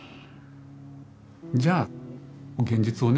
じゃあ現実をね